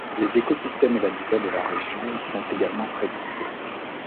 Les écosystèmes et l'habitat de la région y sont également présentés.